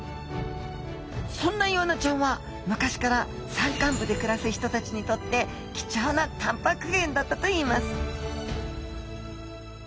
そんなイワナちゃんは昔から山間部で暮らす人たちにとって貴重なたんぱく源だったといいます